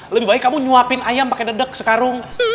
lebih baik kamu nyuapin ayam pakai dedek sekarung